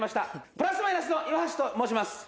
プラス・マイナスの岩橋と申します。